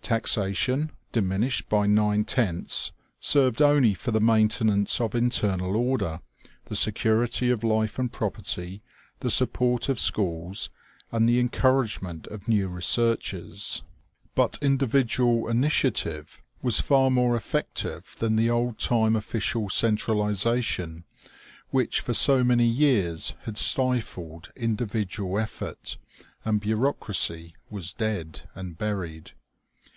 Taxation, diminished by nine tenths, served only for the maintenance of internal order, the security of life and property, the support of schools, and the encouragement of new researches. But individual OMEGA. 295 initiative was far more effective than the old time official centralization which for so many years had stifled individ ual effort, and bureaucracy was dead and buried.